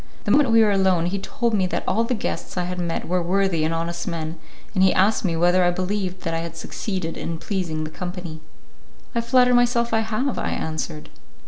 The moment we were alone, he told me that all the guests I had met were worthy and honest men, and he asked me whether I believed that I had succeeded in pleasing the company. "I flatter myself I have," I answered.